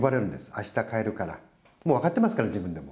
あした帰るから、もう分かってますから、自分でも。